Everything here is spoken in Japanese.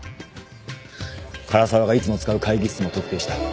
唐澤がいつも使う会議室も特定した。